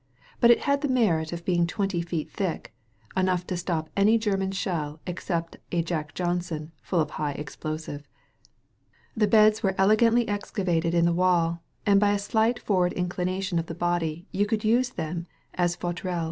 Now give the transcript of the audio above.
But it had the merit of being twenty feet thick — enough to stop any German shell except a "Jack Johnson" full of high explosive. The beds were elegantly excavated in the wall, and by a slight forward inclination of the body you could use them as faiUeuils.